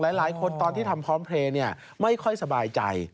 หลายคนตอนที่ทำพร้อมเพลย์ไม่ค่อยสบายใจ